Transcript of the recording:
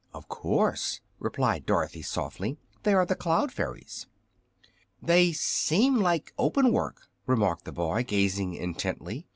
"Of course," replied Dorothy, softly. "They are the Cloud Fairies." "They seem like open work," remarked the boy, gazing intently.